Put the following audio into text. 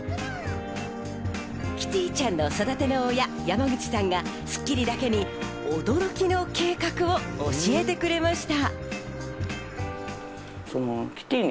キティちゃんの育ての親、山口さんが『スッキリ』だけに驚きの計画を教えてくれました。